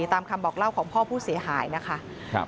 ตามคำบอกเล่าของพ่อผู้เสียหายนะคะ